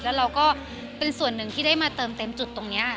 แล้วเราก็เป็นส่วนหนึ่งที่ได้มาเติมเต็มจุดตรงนี้